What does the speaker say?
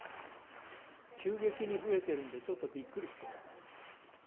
急激に増えてるんで、ちょっとびっくりしてます。